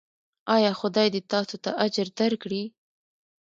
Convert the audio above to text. ایا خدای دې تاسو ته اجر درکړي؟